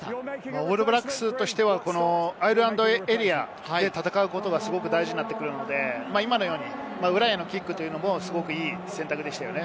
オールブラックスとしてはアイルランドエリアで戦うことがすごく大事になってくるので、今のように裏へのキックはすごくいい選択でしたね。